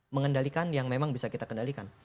mengendalikan yang memang bisa kita kendalikan